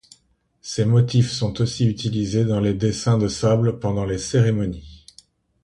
Ces motifs sont aussi utilisés dans les dessins de sable pendant les cérémonies.